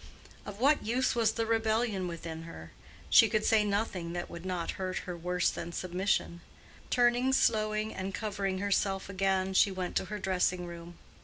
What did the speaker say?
Of what use was the rebellion within her? She could say nothing that would not hurt her worse than submission. Turning slowly and covering herself again, she went to her dressing room.